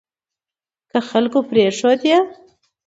که خلکو پرېښودې